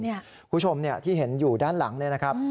คุณผู้ชมที่เห็นอยู่ด้านหลังเนี่ยนะครับ